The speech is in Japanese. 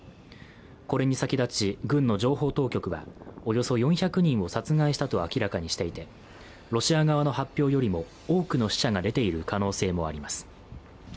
これに先立ち、軍の情報当局は、およそ４００人を殺害したと明らかにしていて、ロシア側の発表よりも多くの死者が出ている可能性もあります。